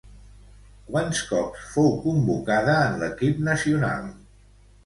Quants cops fou convocada en l'equip nacional?